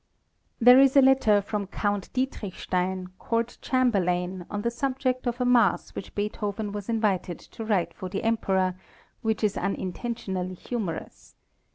There is a letter from Count Dietrichstein, court chamberlain, on the subject of a mass which Beethoven was invited to write for the Emperor, which is unintentionally humorous.